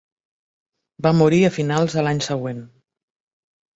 Va morir a finals de l'any següent.